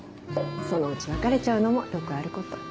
そのうち別れちゃうのもよくある事。